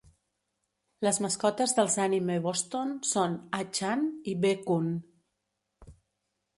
Les mascotes dels Anime Boston són A-chan i B-kun.